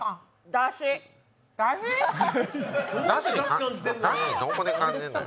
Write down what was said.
だし、どこで感じんのよ？